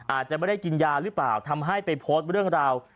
อาจจะไม่ได้กินยาหรือเปล่าทำให้ไปโพสต์เรื่องราว